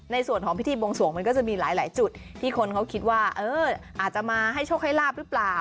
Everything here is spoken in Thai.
ในส่วนของพิธีบวงสวงมันก็จะมีหลายจุดที่คนเขาคิดว่าเอออาจจะมาให้โชคให้ลาบหรือเปล่า